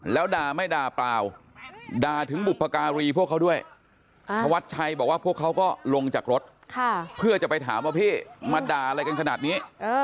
แล้วด่าไม่ด่าเปล่าด่าถึงบุพการีพวกเขาด้วยธวัดชัยบอกว่าพวกเขาก็ลงจากรถเพื่อจะไปถามว่าพี่มาด่าอะไรกันขนาดนี้